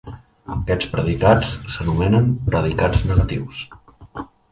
Aquests predicats s'anomenen predicats negatius.